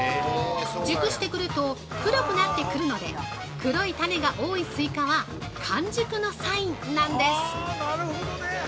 熟してくると黒くなってくるので黒い種が多いスイカは完熟のサインなんです。